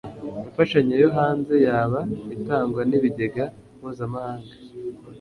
Imfashanyo yo hanze yaba itangwa n ibigega mpuzamahanga